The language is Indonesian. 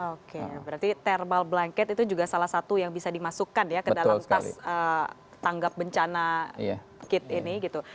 oke berarti thermal blanket itu juga salah satu yang bisa dimasukkan ya ke dalam tas tanggap bencana kit ini gitu